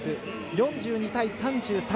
４２対３３。